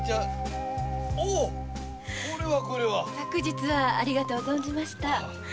昨日はありがとう存じました。